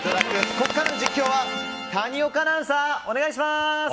ここからの実況は谷岡アナウンサー、お願いします。